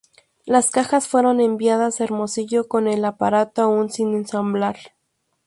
Las cajas fueron enviadas a Hermosillo, con el aparato aún sin ensamblar.